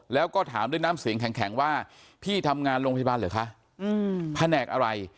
แล้วก็ถามด้วยน้ำเสียงแข็งว่าพี่ทำงานโรงพยาบาลเหรอคะแผนกอะไร